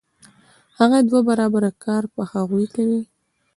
هغه دوه برابره کار په هغوی کوي